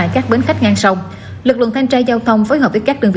có nguy cơ sạt lỡ